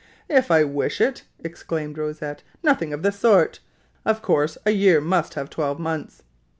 "If I wish it!" exclaimed Rosette. "Nothing of the sort! Of course a year must have twelve months!"